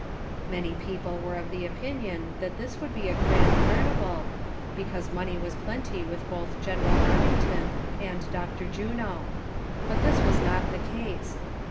Many people were of the opinion that this would be a grand carnival, because money was plenty with both Gene ral Armington and Dr. Juno ; but this was not the case.